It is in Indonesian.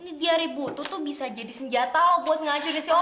ini diare butuh tuh bisa jadi senjata loh buat ngacurnya si opi